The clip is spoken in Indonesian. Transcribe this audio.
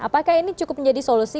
apakah ini cukup menjadi solusi